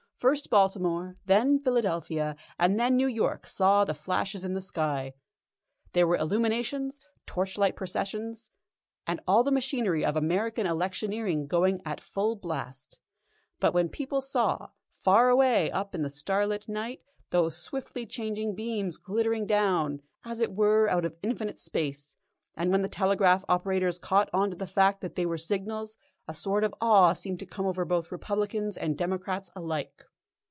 First Baltimore, then Philadelphia, and then New York saw the flashes in the sky. There were illuminations, torchlight processions, and all the machinery of American electioneering going at full blast. But when people saw, far away up in the starlit night, those swiftly changing beams glittering down, as it were, out of infinite Space, and when the telegraph operators caught on to the fact that they were signals, a sort of awe seemed to come over both Republicans and Democrats alike.